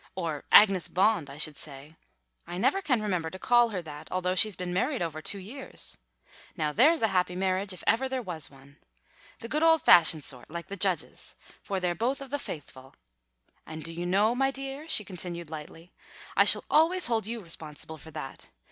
"Or Agnes Bond, I should say. I never can remember to call her that, although she's been married over two years. Now there's a happy marriage if ever there was one. The good old fashioned sort like the Judge's, for they're both of the faithful. And do you know, my dear," she continued lightly, "I shall always hold you responsible for that.